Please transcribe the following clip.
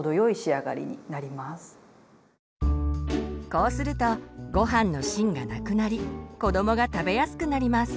こうするとごはんの芯がなくなり子どもが食べやすくなります。